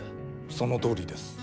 そのとおりです。